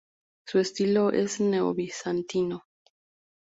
Su estilo es neobizantino.